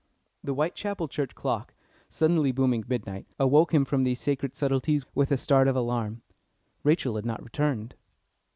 The Whitechapel Church clock, suddenly booming midnight, awoke him from these sacred subtleties with a start of alarm. Rachel had not returned.